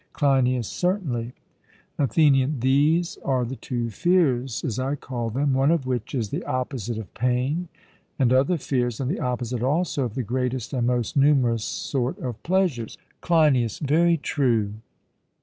CLEINIAS: Certainly. ATHENIAN: These are the two fears, as I called them; one of which is the opposite of pain and other fears, and the opposite also of the greatest and most numerous sort of pleasures. CLEINIAS: Very true.